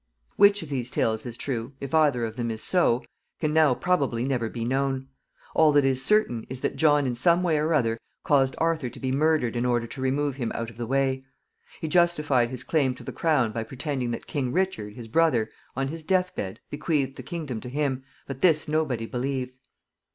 Which of these tales is true, if either of them is so, can now probably never be known. All that is certain is that John in some way or other caused Arthur to be murdered in order to remove him out of the way. He justified his claim to the crown by pretending that King Richard, his brother, on his death bed, bequeathed the kingdom to him, but this nobody believes.